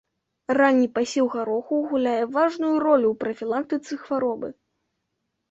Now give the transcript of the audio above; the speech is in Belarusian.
Ранні пасеў гароху гуляе важную ролю ў прафілактыцы хваробы.